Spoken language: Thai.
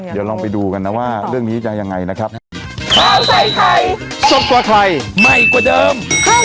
เดี๋ยวลองไปดูกันนะว่าเรื่องนี้จะยังไงนะครับ